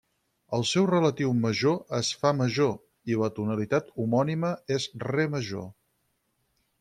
El seu relatiu major és fa major, i la tonalitat homònima és re major.